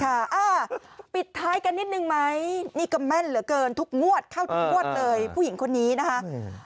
อ่าปิดท้ายกันนิดนึงไหมนี่ก็แม่นเหลือเกินทุกงวดเข้าทุกงวดเลยผู้หญิงคนนี้นะคะอืม